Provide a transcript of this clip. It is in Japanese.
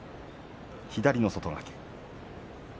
左の外掛け。